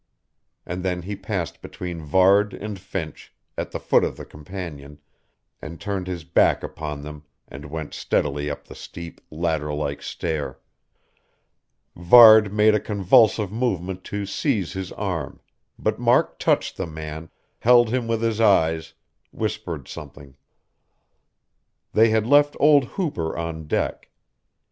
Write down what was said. And then he passed between Varde and Finch, at the foot of the companion, and turned his back upon them and went steadily up the steep, ladder like stair. Varde made a convulsive movement to seize his arm; but Mark touched the man, held him with his eyes, whispered something.... They had left old Hooper on deck.